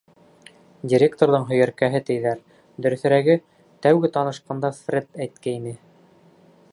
Директорҙың һөйәркәһе тиҙәр, дөрөҫөрәге, тәүге танышҡанда Фред әйткәйне.